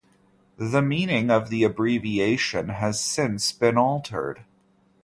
The meaning of the abbreviation has since been altered.